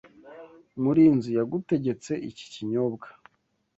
Murinzi yagutegetse iki kinyobwa.